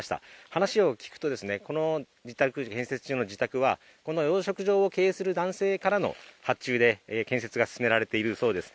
話を聞くと、この建設中の自宅はこの養殖場を経営する男性からの発注で建設が進められているそうです。